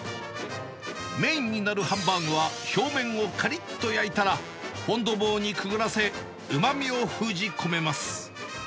メインになるハンバーグは、表面をかりっと焼いたら、フォンドボーにくぐらせ、うまみを封じ込めます。